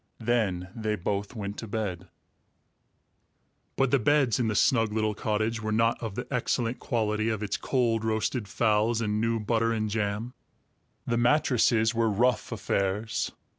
Then they both went to bed. But the beds in the snug little cottage were not of the excellent quality of its cold roasted fowls and new butter and jam. The mattresses were rough affairs.